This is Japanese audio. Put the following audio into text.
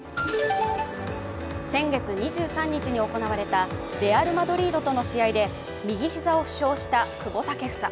先月２３日に行われたレアル・マドリードとの試合で右膝を負傷した久保建英。